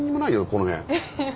この辺。